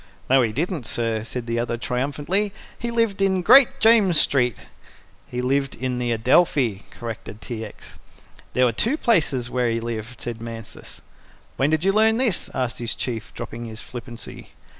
"No, we didn't, sir," said the other triumphantly. "He lived in Great James Street." "He lived in the Adelphi," corrected T. X. "There were two places where he lived," said Mansus. "When did you learn this?" asked his Chief, dropping his flippancy.